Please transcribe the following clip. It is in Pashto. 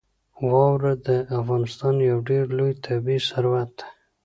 واوره د افغانستان یو ډېر لوی طبعي ثروت دی.